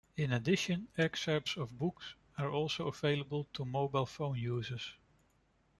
In addition, excerpts of books are also available to mobile phone users.